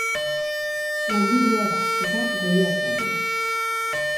Langilea da, eta goleatzailea.